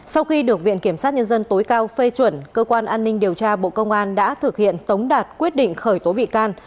sau khi được viện kiểm sát nhân dân tối cao phê chuẩn cơ quan an ninh điều tra bộ công an đã thực hiện tống đạt quyết định khởi tố bị can